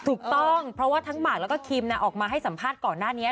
ถูกต้องเพราะว่าทั้งหมากแล้วก็คิมออกมาให้สัมภาษณ์ก่อนหน้านี้